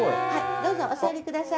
どうぞ、お座りください。